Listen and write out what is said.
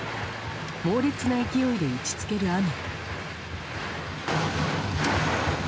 猛烈な勢いで打ち付ける雨。